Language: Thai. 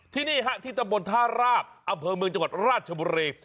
ที่นี่ฮะที่ตำบลท่าราบอำเภอเมืองจังหวัดราชบุรี